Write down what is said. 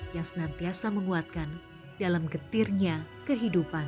yang senantiasa menguatkan dalam getirnya kehidupan